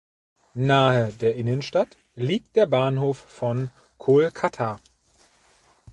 Nahe der Innenstadt liegt der Bahnhof von Kolkata.